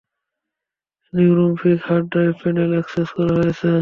Neuromorphic hard drive panel access করা হয়েছে।